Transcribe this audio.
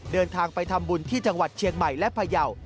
เดินทางไปทำบุญที่จังหวัดเชียงใหม่และพยาว